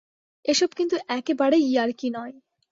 এসব কিন্তু একেবারেই ইয়ার্কি নয়।